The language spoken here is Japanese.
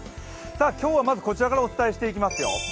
今日はこちらからお伝えしていきますよ。